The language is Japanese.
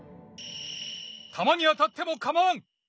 弾に当たっても構わん。